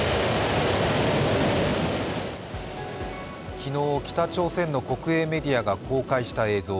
昨日、北朝鮮の国営メディアが公開した映像。